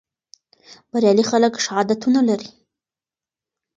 بریالي خلک ښه عادتونه لري.